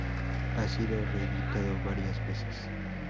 Ha sido reeditado varias veces.